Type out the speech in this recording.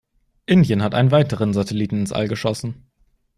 Indien hat einen weiteren Satelliten ins All geschossen.